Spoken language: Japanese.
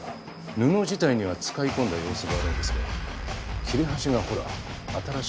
布自体には使い込んだ様子があるんですけど切れ端がほら新しいんです。